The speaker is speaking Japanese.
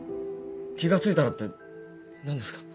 気が付いたらって何ですか？